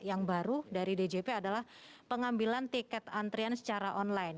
yang baru dari djp adalah pengambilan tiket antrian secara online